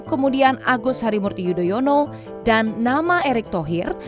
kemudian agus harimurti yudhoyono dan nama erik tohir